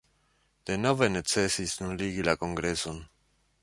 Denove necesis nuligi la kongreson.